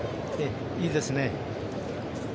いいですね。